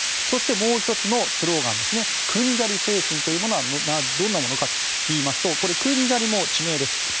そして、もう１つのスローガンクンジャリ精神というのはどんなものかといいますとクンジャリも地名です。